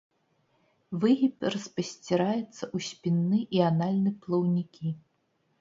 Выгіб распасціраецца ў спінны і анальны плаўнікі.